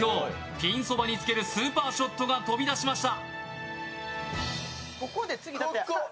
ピンそばにつけるスーパーショットが飛び出しました。